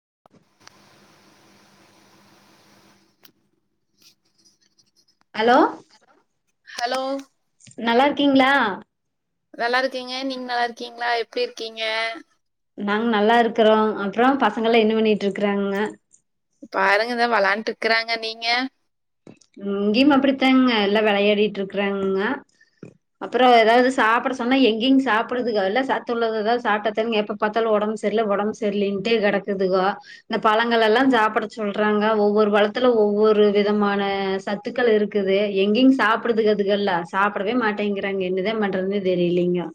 [inaudible] Hello hello நல்லா இருக்கீங்களா நல்லா இருக்கீங்க நீங்க நல்லா இருக்கீங்களா எப்டி இருக்கீங்க நாங்க நல்லா இருக்கறோ அப்பறோ பசங்கலா என்ன பண்ணிட்டு இருக்கறாங்க பாருங்கதான் வளான்ட்டு இருக்கறாங்க நீங்க இங்கேயும் அப்படித்தாங்க எல்லாம் விளையாடிட்டு இருக்கறாங்கங்க அப்பறோ ஏதாவது சாப்ட சொன்னா எங்கயங்கும் சாப்பிடுதுக்கோ இல்ல சாத்து உள்ளதுதாவது சாப்பிட்டத்தங்க எப்ப பார்த்தாலும் ஒடம்பு சரியல ஓடம்பு சரியல இன் கிடக்குதுக்கோ இந்த பழங்கள எல்லாம் சாப்ட சொல்றாங்க ஒவ்வொரு பளத்துல ஒவ்வொரு விதமான சத்துக்கள் இருக்குது எங்கேயங்கும் சாப்பிடுறதுக்கு அதுக்கல்ல சாப்பிடவே மாட்டேங்கறாங்க என்னதான் பண்றதுே தெரியலலைங்க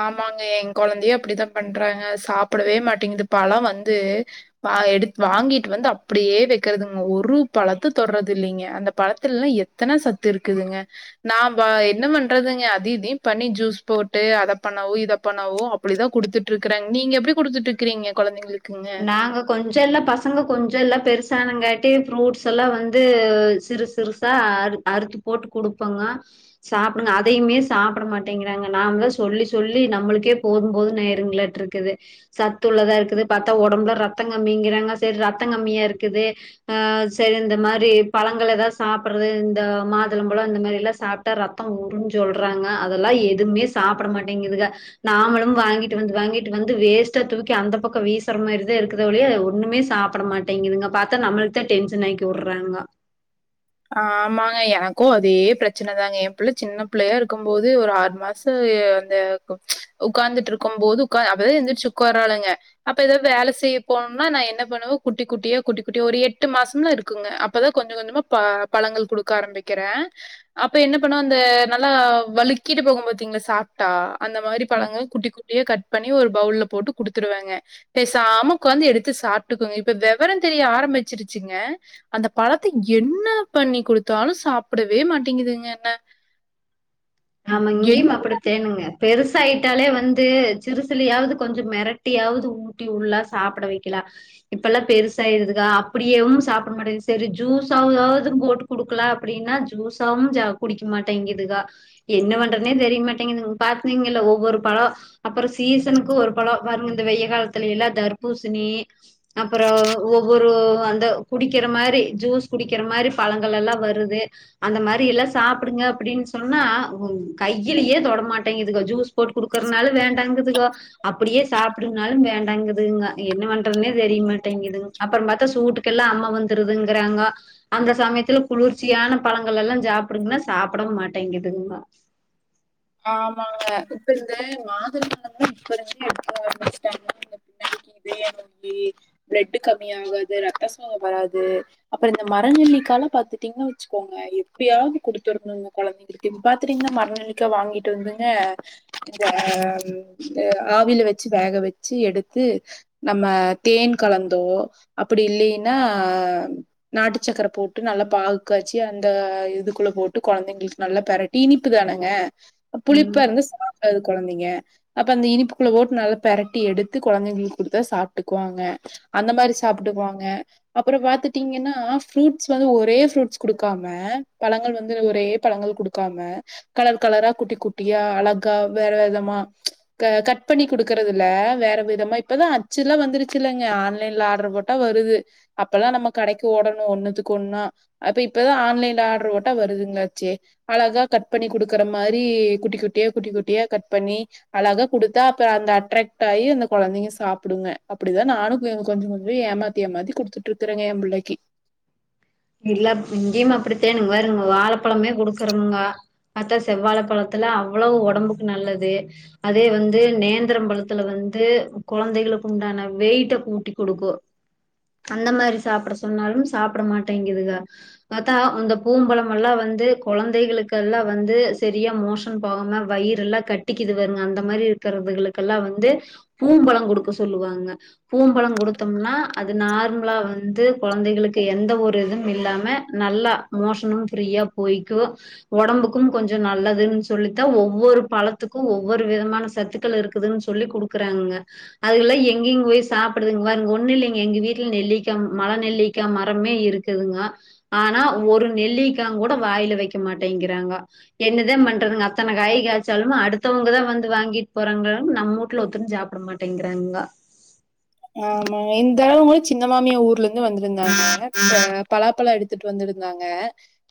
ஆமாங்க என் கொழந்தையையும் அப்டித்தான் பண்றாங்க சாப்பிடவே மாட்டேங்குது பழம் வந்து எடு வாங்கிட்டு வந்து அப்டியே வைக்கறதுங்க ஒரு பழத்த தொடர்றது இல்லைங்க அந்த பழத்துலல்லா எத்தன சத்து இருக்குதுங்க நான் வா என்ன பண்றதுங்க அத இதையும் பண்ணி ஜூஸ் போ அத பண்ணாவோ இத பண்ணாவோ அப்டிதான் கொடுத்துட்டு இருக்கறாங்க நீங்க எப்படி கொடுத்துட்டு இருக்கீங்க கொழந்தைங்களுக்கு நாங்க கொஞ்சோலா பசங்க கொஞ்சோலா பெருசா ணங்காட்டி ஃப்ரூட்ஸ் எல்லாம் வந்து சிறுச சிறுசா அ அறுத்து போட்டு கொடுப்போங்க சாப்பிடுங்க அதையுமே சாப்பிட மாட்டேங்கிறாங்க நாம தான் சொல்லி சொல்லி நம்மளுக்கே போதும்போதும் நேருங்களாட்டு இருக்குது சத்துள்ளதா இருக்குது பார்த்தா ஒடம்புல ரத்தம் கம்மிங்கிறாங்க செரி ரத்தம் கம்மியா இருக்குது ஆஹ செரி இந்த மாதிரி பழங்க எதாவது சாப்பிடுறது இந்த மாதுளம்பழம் இந்த மாரி எல்லாம் சாப்பிட்டா ரத்தம் உரும்ன்னு சொல்றாங்க அதெல்லாம் எதுவுமே சாப்பிட மாட்டேங்குதுங்க நாமளும் வாங்கிட்டு வந்து வாங்கிட்டு வந்து வேஸ்ட்டா தூக்கி அந்த பக்கம் வி மாரிதா இருக்கிறது வழியே ஒண்ணுமே சாப்பிட மாட்டேங்குதுங்க பார்த்தா நம்மளுக்குத்தான் டென்ஷன் ஆக்கி விடுறாங்க ஆமாங்க எனக்கு அதே பிரச்சனைதாங்க எ பிள்ள சின்ன பிள்ளையா இருக்கும் போது ஒரு ஆறு மாசோ அந்த உட்கார்ந்துட்டு இருக்கும் போது உகா அப்பதா இருந்திரு உக்கு ராளுங்க அப்ப ஏதாவது வேல செய்ய போனும்ம்னா நா என்ன பண்ணுவேன் குட்டி குட்டியா குட்டி குட்டியா ஒரு எட்டு மாசம்லா இருக்குங்க அப்பதா கொஞ்சோ கொஞ்சோமா ப பழங்கள் கொடுக்க ஆரம்பிக்கிற அப்ப என்ன பண்ண அந்த நல்லா வழுக்கிட்டு போகும்பத்திங்கல சாப்டா அந்த மாரி பழங்கள் குட்டி குட்டி அப்டியே கட் பண்ணி ஒரு பயுள்ள போட்டு குடுத்துருவங்க பேசாம உக்காந்து எடுத்து சாப்பிடுக்குங்க இப்ப வெவரோ தெரிய ஆரம்பிச்சிருச்சு அந்த பழத்த என்ன பண்ணி கொடுத்தாலு சாப்பிடவே மாட்டேங்குதுங்க என்ன ஆமா என் இங்கேயும் அப்புடி தேனுங்க பெருசாயிட்டாலே வந்து சிறு சிலியாவது கொஞ்சோ மிரட்டியாவது ஊட்டி உள்ளா சாப்பிட வைக்கலா இப்ப எல்லா பெருசாயிதுக்கா அப்படியேவு சாப்பிட மாட்டேது சரி ஜூஸாவதாவது போட்டு குடுக்கலா அப்படின்னா ஜூஸாவு ஜ குடிக்க மாட்டேங்குதுக்கா என்ன பண்றதுனே தெரிய மாட்டேங்குது பார்த்தீங்கல ஒவ்வொரு பழம் அப்புறம் சீசனுக்கும் ஒரு பழம் வரும்ங்க இந்த வெயை காலத்துல எல்லாம் தர்பூசணி அப்ரோ ஒவ்வொரு அந்த குடிக்கிற மாரி ஜூஸ் குடிக்கிற மாதிரி பழங்கள் எல்லா வருது அந்த மாரி எல்லா சாப்பிடுங்க அப்படின்னு சொன்னா உ கையிலயே தொடமாட்டேதுங்க ஜூஸ் போட்டு கொடுக்கறதுனால வேண்டாங்குத்துங்க அப்படியே சாப்பிடுங்கனாலு வேண்டாங்குதுங்க என்ன பண்றதுனே தெரியமாட்டேங்குதுங்க அப்ரோ பார்த்தா சூட்டுக்கெ எல்லா அம்மா வந்துருதுங்கறாங்க அந்த சமயத்துல குளிர்ச்சியான பழங்கள் எல்லா சாப்பிடுங்கன்னா சாப்பிட மாட்டேங்குதுங்க ஆமாங்க இப்ப இந்த மாத இப்ப இரும எக்க பினாக்கு இதையி பிளட் கம்மிய ஆகாது ரத்த சோகம் வராது அப்புறம் இந்த மரநெல்லிக்கல பாத்துட்டீங்கன்னா வச்சுக்கோங்க எப்படியாவது குடுத்து வரணும்ம குழந்தைக இ பாத்துட்டீங்கன்னா மரநெ க்க வாங்கிட்டு வந்துங்க இந்த ஆவில வச்சு வேக வச்சு எடுத்து நம்ம தேன் கலந்தோம் அப்படி இல்லைன்னா நாட்டு சக்கரை போட்டு நல்லா பாகு காய்ச்சி அந்த இதுக்குள்ள போட்டு குழந்தைங்களுக்கு நல்லா பெரட்ட இனிப்பு தானுங்க ஆமா புளிப்பா இருது சாப்பிடாது குழந்தைங்க அப்ப அந்த இனிப்புக்குள்ள போட்டு நல்லா பெரட்டி எடுத்து குழந்தைங்களுக்கு குடுத்த சாப்ட்டுக்குவாங்க அந்த மாரி சாப்ட்டுக்குவாங்க அப்ரோ பாத்துட்டீங்கன்னா ஃப்ரூட்ஸ் வந்து ஒரே ஃப்ரூட்ஸ் குடுக்காம பழங்கள் வந்து ஒரே பழங்கள் குடுக்காம கலர் கலரா குட்டி குட்டியா அழகா வேற விதமா கட் பண்ணி குடுக்கறதுில் வேற விதமா இப்பான்ாம் வந்துருச்சுங்க ஆன்லைல ஆ்டர் போட்டா வருது அப்பதான் நம்ம கடைக்கு ஓடணும் ஒண்ணுதுக்கு ஒண்ணா அ இப்பதான் ஆன்லைல ஆர் போட்டா வருதுங்கலாசே பண்ண [unintelligible] கொடுக்குற மாரி குட்டி குட்டியா குட்டி குட்டியா கட் பண்ணி அழகா குடுத்தா அப்ரோ அந்த அட்ராக்ட் ஆகி அந்த குழந்தைங்க சாப்பிடுங்க அப்படிதா நானு கொஞ்சோ கொஞ்சோ ஏமாத்தி ஏமாத்தி குடுத்துட்டு இருக்குறங்க எ பிள்ளைக்கு இல்ல இங்கயும் அப்பத்த ங்கருங்க வாழைப்பழமே கொடுக்குறங்க அத்தா செவ்வாழ பழத்துல அவ்வளவு உடம்புக்கு நல்லது அதே வந்து நேந்திர பழத்துல வந்து குழந்தைகளுக்கு உண்டான வெயிட்ட கூட்டி கொடுக்கு அந்த மாரி சாப்பிட சொன்னாலு சாப்பிட மாட் ட்டேங்குதுங்க, அதா அந்த பூம்பழம் எல்லா வந்து குழந்தைகல்லா வந்து சரியா மோஷன் போகாம வயிறு எல்லாம் கட்டக்குதுங்க அந்த மாதிர இருக்குறவங்கலுகு வந்து பூம்பழம் கொடுக்க சொல்லுவாங்க பூம்பழம் கொடுத்த நார்மலா வந்து குழந்தைகளுக்கு எந்த ஒரு ரது இல்லாம நல்லா மோஷனு ஃப்ரீயா போய்க்கு ஒடம்புக்கு கொஞ்சோ நல்லதுன்னு சொல்லித்த ஒவ்வொரு பழத்துக்கும் ஒவ்வொரு விதமான சத்துக்கள் இருக்குதுன்னு சொல்லடுக்கறாங்க அதுகலா எங்கங்க போய் சாப்பிடுதுங்க ஒண்ணு இல்லைங்க எங்க வீட்டுல நெல்லிக்க மல நெல்லிக்கா மரமே இருக்கு க்குதுங்க ஆனா ஒரு நெல்லிக்கா கூட வாயில வைக்க மாட்டேங்கிறாங்க என்னதா பண்றதுங்க அத்தன காய் காய்ச்சாலும அடுத்தவங்கதா வந்து வாங்கிட்டு போறாங்க நம்ம வீட்டுல ஒத்தரு சாப்பிட மாட்டேங்கிறாங்க ஆமாங்க இந்த அளவு கூட சின்ன மாமியா ஊர்ல இருந்து வந்திருந்தாங்க பலாப்பழ எடுத்துட்டு வந்திருந்தாங்க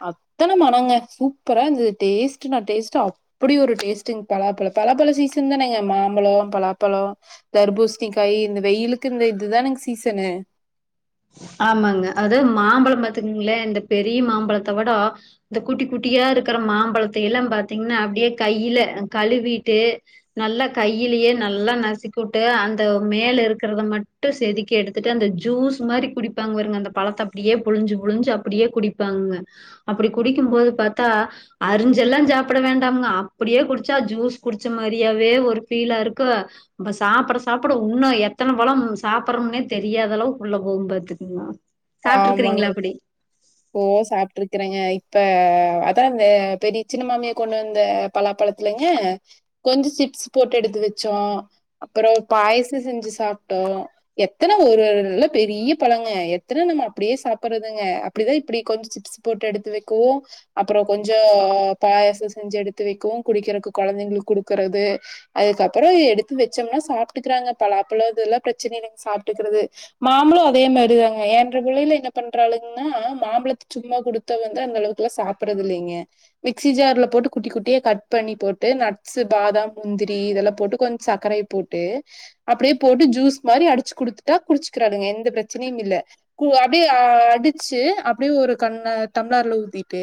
அத்தன மனங்க சூப்பரா இருந்துது டேஸ்ட்ட் நா டேஸ்ட் அப்படி ஒரு டேஸ்ட்டு பலாப்பழம் பலாப்பழ சீசன் தானேங்க மாம்பழம் பலாப்பழ தர்பூசணிக்காய் இந்த வெயிலுக்கு இந்த இதுதானுங்க சீசனு ஆமாங்க அதது மாம்பழம் பாத்தீங்கங்களன் இந்த பெரிய மாம்பழத்தை விட இந்த குட்டி குட்டியா இருக்கிற மாம்பழத்தை எல்லாம் பாத்தீங்கன்னா அப்படியே கையில கழுவிட்டு நல்லா கையிலயே நல்லா நசிக்கட்டு அந்த மேல இருக்கிறத மட்டும் செதுக்கி எடுத்துட்டு அந்த ஜூஸ் மாரி குடிப்பாங்க பாருங்க அந்த பழத்தை அப்படியே புழிஞ்சு புழிஞ்சு அப்படியே குடிப்பாங்க அப்படி குடிக்கும் போது பாத்தா அரிஞ்செல்லா சாப்பிட வேண்டாமங்க அப்படியே குடிச்சா ஜூஸ் குடிச்ச மாதிரியாவே ஒரு ஃபீலா இருக்கு அப்ப சாப்பிட சாப்பிட இன்னு எத்தன பழம் சாப்படுறோம்னே தெரியாத அளவுக்குள்ள போகும்ப ங்களா ஆமாங்க ஓ சாப்புட்டு இருக்கறங்க இப்ப அதாந்த பெரிய சின்ன மாமியா கொண்டு வந்த பலாப்பழத்துலங்க கொஞ்சோ சிப்ஸ் போட்டு எடுத்து வச்சோ அப்புறோ பாயச செஞ்சு சாப்ட்டோ எத்தன ஒரு நல்ல பெரிய பழங்க த்தானா நம்ம அப்படியே சாப்பிடுறதுங்க அப்படிதா இப்படி கொஞ்சோ சிப்ஸ் போட்டு எடுத்து வைக்க அப்ரோ கொஞ்சோ பாயாச செஞ்சு எடுத்து வைக்கு குடிக்கரக்கு குழந்தைங்களுக்கு குடுக்கறது அதுக்கப்ரோ எடுத்து வச்சோம்னா சாப்ட்டுக்குறாங்க பலாப்பழம் இதெல்லா பிரச்சனை சாப்பிட்டுக்கிறது மாம்பழம் அதே மாரிதாங்க ஏன்ற பிள்ளையில என்ன பண்றாளுங்கன்னா மாம்பழத்த சும்மா குடுத்தா வந்து அந்த அளவுக்குலா சாப்பிடறது இல்லைங்க மிக்ஸி ஜார்ல போட்டு குட்டி குட்டியா கட் பண்ணி போட்டு நட்ஸு பாதாம் முந்திரி இதெல்லா போட்டு கொஞ்ச சக்கரைய போட்டு அப்படியே போட்டு ஜூஸ் மாரி அடிச்சு குடுத்துட்டா குடிச்சுக்கிறாளுங்க எந்த பிரச்சனையும் இல்ல கு அப்டியே ஆஹ் அடிச்சு அப்டியே ஒரு கண்ண தம்ளர்ல ஊத்திட்டு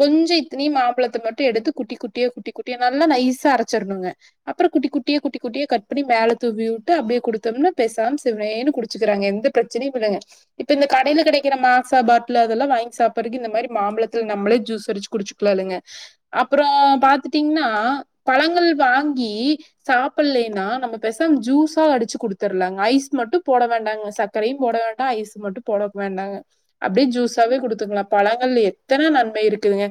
கொஞ்சோ இத்தனியு மாம்பழத்த மட்டும் எடுத்து குட்டி குட்டியோ குட்டி குட்டியா நல்லா நைஸா அரைச்சிர்ணுங்க அப்ரோ குட்டி குட்டியே குட்டி குட்டியா கட் பண்ணி மேல தூவி விட்டு அப்படியே குடுத்தோம்னா பேசாம சிவனேன்னு குடிச்சுக்கிறாங்க எந்த பிரச்சனையும் இல்லங்க இப்ப இந்த கடைல கிடைக்கிற மாசா பாட்டல் அதெல்லா வாங்கி சாப்பறக்கு இந்த மாரி மாம்பழத்துல நம்மளே ஜூஸ் அடிச்சு குடிச்சுக்கலாளுங்க அப்புறோ பாத்துட்டீங்கனா பழங்கள் வாங்கி சாப்பிலேன்னா நம்ம பெசாம ஜூஸா அடிச்சு குடுத்துர்லாங்க ஐஸ் மட்டும் போட வேண்டாங்க சக்கரையும் போட வேண்டா ஐஸ் மட்டு போட வேண்டாங்க அப்டியே ஜூஸாவே குடுத்துக்கலா பழங்கள்ல எத்தன நன்மை இருக்குதுங்க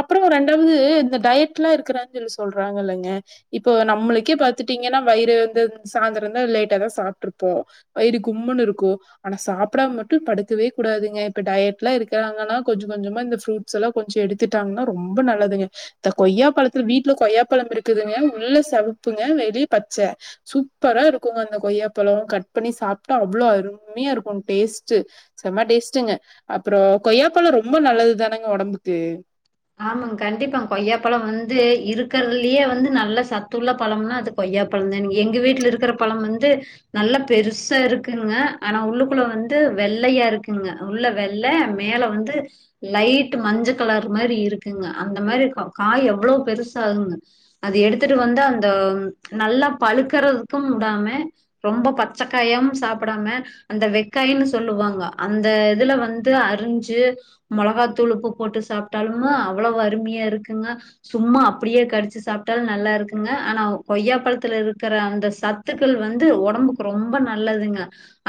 அப்புறோ ரெண்டாவது இந்த டயட்லா இருக்குரான்னு சொல்லி சொல்றாங்க இல்லங்க இப்போ நம்மளுக்கே பாத்துட்டீங்கன்னா வயிறு வந்து சாந்தரந்தா லேட்டாதா சாப்ட்டுருப்போ வயிறு கும்முன்னு இருக்கு ஆனா சாப்பிடாம மட்டு படுக்கவே கூடாதுங்க இப்ப டயட்லா இருக்கிறாங்கன்னா கொஞ்சோ கொஞ்சோமா இந்த ஃப்ரூட்ஸ் எல்லா கொஞ்சோ எடுத்துட்டாங்கனா ரொம்ப நல்லதுங்க இந்த கொய்யா பழத்துல வீட்டுல கொய்யாப்பழம் இருக்குதுங்க உள்ள செவப்புங்க வெளிய பச்ச சூப்பரா இருக்குங்க அந்த கொய்யாப்பழம் கட் பண்ணி சாப்ட்டா அவ்வளோ அரும மையா இருக்கு டேஸ்ட்டு செம்ம டேஸ்ட்டுங்க அப்புறோ கொய்யாப்பழ ரொம்ப நல்லது தானேங்க ஒடம்புக்கு ஆமாங்க கண்டிப்பா கொய்யாப்பழம் வந்து இருக்கிறதுலயே வந்து நல்ல சத்துள்ள பழம்னா அது கொய்யாப்பழம் தானுங்க எங்க வீட்டுல இருக்கிற பழம் வந்து நல்லா பெருசா இருக்குங்க ஆனா உள்ளுக்குள்ள வந்து வெள்ளையா இருக்குங்க உள்ள வெள்ள மேல வந்து லைட்டு மஞ்ச கலர் மாரி இருக்குங்க அந்தமாரி இருக்கு கா காய் எவ்வளோ பெருசாகுங்க அத எடுத்துட்டு வந்து அந்த நல்லா பழுக்கறதுக்கும் விடாம ரொம்ப பச்சைக்காயாவும் சாப்பிடாம அந்த வெக்காய்னு சொல்லுவாங்க அந்த இதுல வந்து அரிஞ்சு மிளகாத்தூள் உப்பு போட்டு சாப் ப்டாலுமு அவ்வளவு அருமையா இருக்குங்க சும்மா அப்படியே கடிச்சு சாப்ட்டாலு நல்லா இருக்குங்க ஆனா கொய்யாப்பழத்துல இருக்குற அந்த சத்துக்கள் வந்து ஒடம்புக்கு ரொம்ப நல்லதுங்க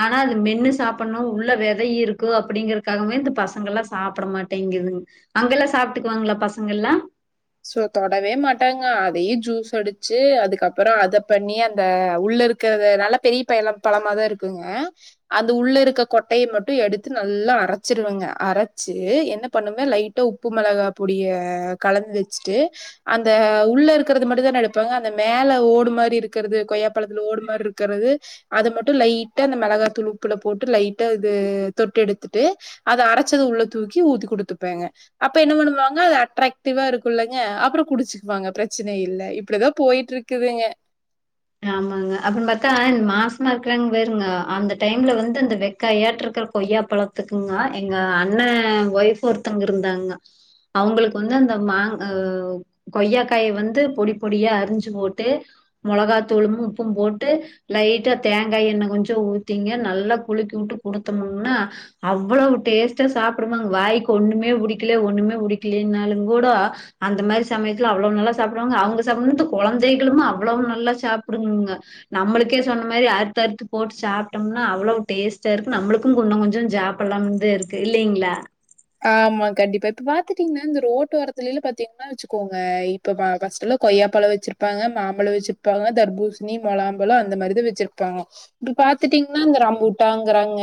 ஆனா அது மென்னு சாப்பிடணு உள்ள விதை இருக்கு அப்படிங்கறக்காகவே இந்த பசங்கள்லா சாப்பிட மாட்டேங்குதுங்க அங்கெல்லா சாப்பிட்டுக்குவாங்களா பசங்கள்லா சோ தொடவே மாட்டாங்க அதையு ஜூஸ் அடிச்சு அதுக்கப்புற அத பண்ணி அந்த உள்ள இருக்கரத நல்லா பெரிய பய பழமாதா இருக்குங்க அந்த உள்ள இருக்க கொட்டைய மட்டும் எடுத்து நல்லா அரைச்சிருவங்க அரைச்சு என்ன பண்ணுவ லைட்டா உப்பு மிளகா பொடிய கலந்து சிட்டு அந்த உள்ள இருக்குறது மட்டுந்தானே எடுப்பாங்க அந்த மேல ஓடு மாரி இருக்குறது கொய்யாப்பழத்துல ஓடு மாரி இருக்குறது அது மட்டு லைட்டா அந்த மிளகாதூள் உப்புல போட்டு லைட்டா இது தொட்டு எடுத்துட்டு அத அரைச்சது உள்ள தூக்கி ஊத்தி குடுத்துப்பேங்க அப்ப என்ன பண்ணுவாங்க அட்றாக்ட்டிவ்வாருக் க்குள்ளங்க அப்புற குடிச்சுக்குவாங்க பிரச்சன இல்ல இப்டிதா போயிட்டு இருக்குதுங்க ஆமாங்க அப்பன்னு பாத்தா இந்த மாசமா இருக்குறாங்க பாருங்க அந்த டைம்ல வந்து அந்த வெக்காயாட்டு இருக்குற கொய்யா பழத்துக்குங்க எங்க அண்ணே ஒய்ஃப் ஒருத்தங்க இருந்தாங்க அவங்களுக்கு வந்து அந்த மாங் ஹ கொய்யாக்காய வந்து பொடி பொடியா அரிஞ்சு போட்டு மொளகாத் தூளும் உப்பும் போட்டு லைட்டா தேங்காய் எண்ணெ கொஞ்சோ ஊத்திங்க நல்லா குளுக்கி வுட்டு குடுத்தம்னா அவ்வளவு டேஸ்ட்டா சாப்புடுவாங்க வாய்க்கு ஒண்ணுமே புடிக்கில ஒண்ணுமே புடிக்கிலேனாலுங் கூடோ அந்த மாரி சமயத்துல அவ்ளோ நல்லா சாப்புடுவாங்க அவங்க சாப்புன்னுது குழந்தைகளும் அவ்வளவு நல்லா சாப் புடுங்குங்க நம்மளுக்கே சொன்ன மாரி அறுத்து அறுத்து போட்டு சாப்ட்டோம்னா அவ்வளவு டேஸ்ட்டா இருக்கூ நம்பளுக்கும் குன்னோ கொஞ்சம் சாப்டலான்த இருக்கு இல்லைங்களா ஆமா கண்டிப்பா இப்ப பாத்துட்டீங்கனா இந்த ரோட்டு ஓரத்துலேலா பாத்தீங்கனா வெச்சுக்கோங்க இப்ப ப பஸ்டல்லா கொய்யா பழம் வெச்சிருப்பாங்க மாம்பழே வெச்சிருப்பாங்க தர்பூசணி முளாம்பழம் அந்த மாரிதா வெச்சிருப்பாங்க இப்ப பாத்துட்டீங்கன்னா இந்த ரம்பூட்டாங்கிறாங்க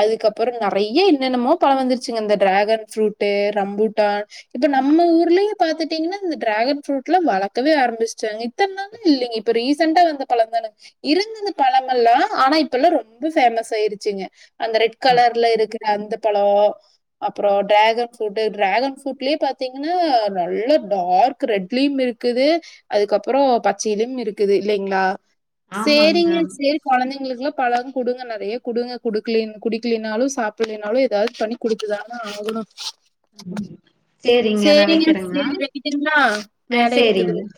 அதுக்கப்புறோ நறைய என்னென்னமோ பழம் வந்துருச் சுங்க இந்த டிராகன் ஃப்ரூட்டு ரம்பூட்டான் இப்ப நம்ம ஊர்லயே பாத்துட்டீங்கனா இந்த டிராகன் ஃப்ரூட்லா வளக்கவே ஆரம்பிஸ்டாங்க இத்தன் நாளும் இல்லைங்க இப்ப ரீசண்டா வந்த பழம்தான இருந்துது பழமெல்லா ஆனா இப்பல்லா ரொம்ப ஃபேமஸ் ஆயிருச்சுங்க அந்த ரெட் கலர்ல இருக்குற அந்த பழோ அப்புறோ டிராகன் ஃப்ரூட்டு டிராகன் ஃப்ரூட்லயே பாத்தீங்கனா நல்ல டார்க் ரெட்லயும் இருக்குது அதுக்கப்புறோ பச்சையிலயும் இருக்குது இல்லைங்ளா ஆமாங்க. சேரிங்க சேரி கொழந்தைங்களுக்குலா பழங் குடுங்க நறைய குடுங்க குடுக்குலேன் குடிக்கலேனாலு சாப்பிலேனாலு எதாவது பண்ணி குடுத்துதான ஆகணு ஆமா. நான் சேரிங்க வைக்கிறேங்க. சேரி வெக்கிட்டங்களா ஆ வேலை சேரிங்க. இருக்குதுங்